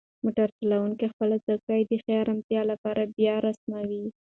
موټر چلونکی خپله چوکۍ د ښې ارامتیا لپاره بیا راسموي.